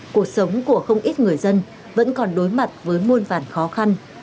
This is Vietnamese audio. cuộc sống của không ít người dân vẫn còn đối mặt với môn phản khó khăn